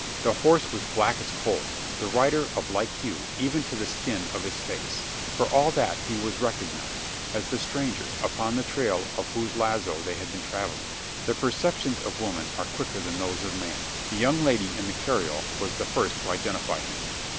The horse was black as coal: the rider of like hue, even to the skin of his face. For all that he was recognised: as the stranger, upon the trail of whose lazo they had been travelling. The perceptions of woman are quicker than those of man: the young lady within the carriole was the first to identify him.